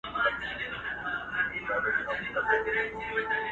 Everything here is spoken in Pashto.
شرمنده به د پردیو مزدوران سي!!